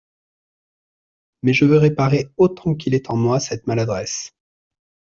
Mais je veux réparer autant qu'il est en moi cette maladresse.